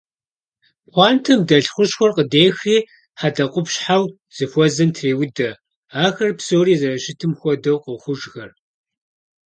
Пхъуантэм дэлъ хущхъуэр къыдехри хьэдэкъупщхьэу зыхуэзэм треудэ. Ахэр псори зэрыщытам хуэдэу къохъужхэр.